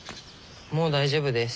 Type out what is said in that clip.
もう大丈夫です。